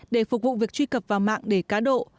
để phục vụ việc truy cập vào mạng để cá độ